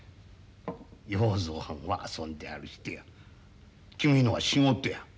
要造はんは遊んではる人や君のは仕事や。